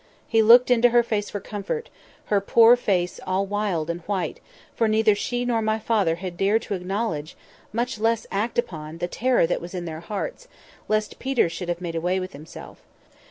He looked into her face for comfort—her poor face all wild and white; for neither she nor my father had dared to acknowledge—much less act upon—the terror that was in their hearts, lest Peter should have made away with himself.